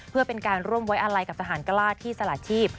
เพื่อเป็นการร่วมไว้อาลัยกับทหารกล้าที่สละชีพ